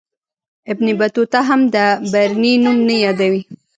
ابن بطوطه هم د برني نوم نه یادوي.